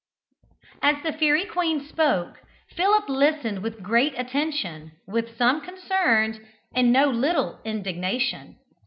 As the fairy queen spoke, Philip listened with great attention, with some concern, and no little indignation.